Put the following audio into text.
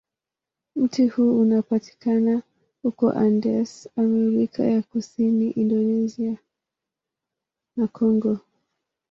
Mti huo unapatikana huko Andes, Amerika ya Kusini, Indonesia, na Kongo.